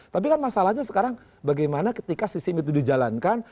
tapi kan masalahnya sekarang bagaimana ketika sistem itu dijalankan